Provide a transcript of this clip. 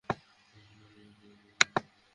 এখানে নিয়ে আসার জন্য ধন্যবাদ।